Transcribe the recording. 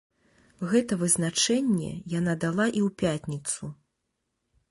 Гэта вызначэнне яна дала і ў пятніцу.